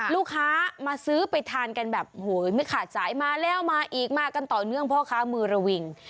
ลูกค้ามาซื้อไปทานกันแบบโหไม่ขาดสายมาแล้วมาอีกมากันต่อเนื่องพ่อค้ามือระวิง